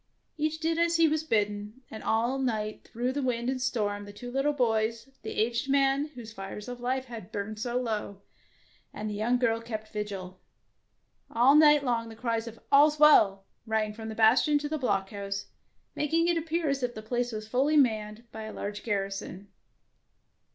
Each did as he was bidden, and all night through the wind and storm the two little boys, the aged man whose fires of life had burned so low, and the young girl kept vigil. All night long the cries of All 's well " rang from bastion to blockhouse, mak ing it appear as if the place was fully manned by a large garrison.